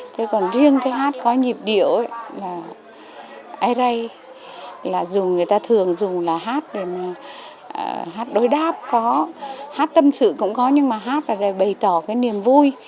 thế còn riêng cái hát có nhịp điệu là ây rây là dùng người ta thường dùng là hát đối đáp có hát tâm sự cũng có nhưng mà hát là để bày tỏ cái niềm vui